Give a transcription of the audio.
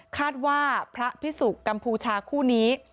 คาดว่าพระพิสุกัมพูชาคู่นี้